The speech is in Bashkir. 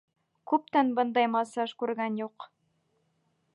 Күптән бындай массаж күргән юҡ!